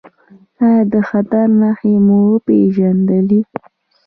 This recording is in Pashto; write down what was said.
ایا د خطر نښې مو وپیژندلې؟